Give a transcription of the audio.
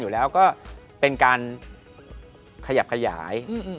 อยู่แล้วก็เป็นการขยับขยาย